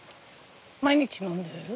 毎日飲んでいる？